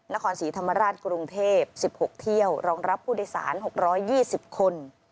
นครศรีธรรมราชกรุงเทพ๑๖เที่ยวรองรับผู้โดยสาร๖๒๐คน